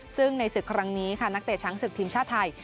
ซึ่งในศึกครั้งนี้ค่ะนักเตะช้างศึกทีมชาติไทย